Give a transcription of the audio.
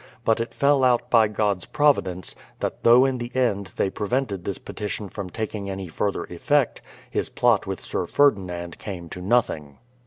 But it fell out by God's providence, that though in the end they prevented this petition from taking any further effect, his plot with Sir Ferdinand came to nothing.